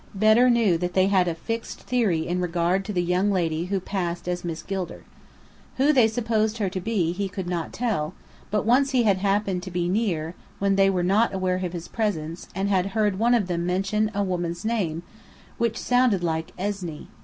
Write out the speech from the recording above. Bedr knew that they had a fixed theory in regard to the young lady who passed as Miss Gilder. Who they supposed her to be, he could not tell; but once he had "happened" to be near, when they were not aware of his presence, and had heard one of them mention a woman's name, which sounded like "Esny."